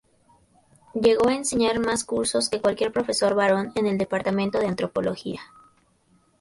Llegó a enseñar mas cursos que cualquier profesor varón en el departamento de antropología.